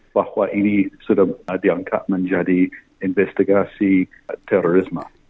bahwa ini sudah diangkat menjadi investigasi terorisme